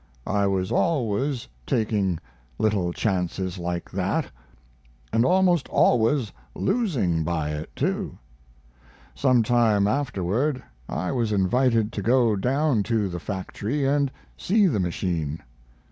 I was always taking little chances like that, and almost always losing by it, too. Some time afterward I was invited to go down to the factory and see the machine.